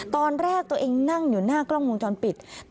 ตอนแรกตัวเองนั่งอยู่หน้ากล้องวงจรปิด